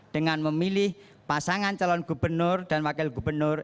dengan memilih pasangan calon gubernur dan wakil gubernur